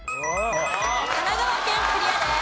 神奈川県クリアです。